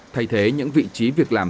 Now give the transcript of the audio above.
thay thế những vị trí việc làm